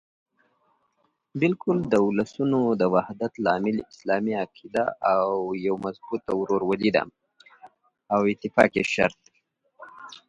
د اولسو د وحدت لامل اسلامي عقیده او یوه مضبوطه ورورګلوي ده.